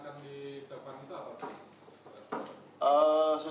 jawaban itu apapun